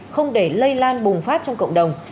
không để lây lan bùng phát trong cộng đồng